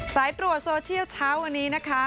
สายตรวจโซเชียลเช้าวันนี้นะคะ